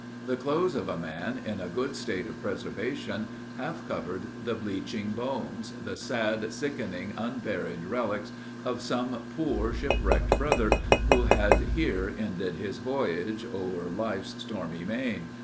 The clothes of a man, in a good state of preservation, half covered the bleaching bones, the sad, sickening, unburied relics of some poor "shipwrecked brother," who had here ended his voyage "o'er life's stormy main."